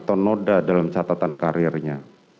itu ada di dalam catatan kariernya